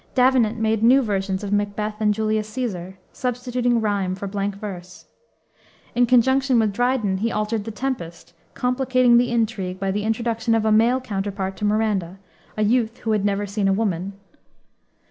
Davenant made new versions of Macbeth and Julius Caasar, substituting rime for blank verse. In conjunction with Dryden, he altered the Tempest, complicating the intrigue by the introduction of a male counterpart to Miranda a youth who had never seen a woman.